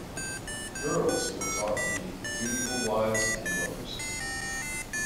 Girls were taught to be dutiful wives and mothers.